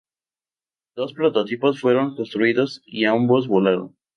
Dos prototipos fueron construidos, y ambos volaron.